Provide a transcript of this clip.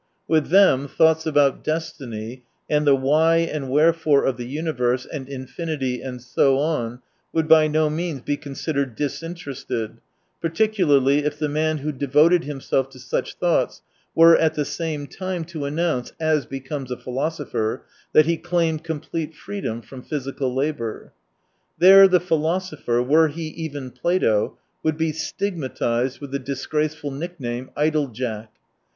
With them thoughts about destiny and the why and wherefore of the universe and infinity and so on, would by no means be considered disinterested, particularly if the man who devoted himself to such thoughts were at the same time to announce, as becomes a philosopher, that he claimed complete freedom from physical labour. There the philosopher, were he even Plato, would be stigmatised with the disgraceful nickname, " Idle jack."